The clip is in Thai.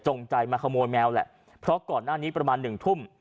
ใจมาขโมยแมวแหละเพราะก่อนหน้านี้ประมาณหนึ่งทุ่ม